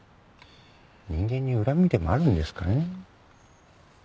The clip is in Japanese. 人間に恨みでもあるんですかね？